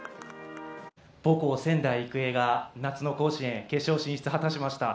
母校・仙台育英が夏の甲子園決勝進出を果たしました。